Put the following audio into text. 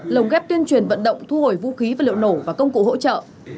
lồng ghép tuyên truyền vận động thu hồi vũ khí vật liệu nổ và công cụ hỗ trợ